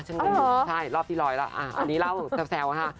ใช่รอบที่ร้อยแล้วอันนี้เล่าแซวค่ะ